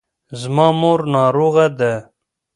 زما مور ناروغه ده.